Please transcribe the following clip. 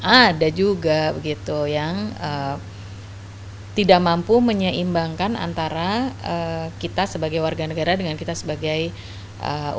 ada juga begitu yang tidak mampu menyeimbangkan antara kita sebagai warga negara dengan kita sebagai orang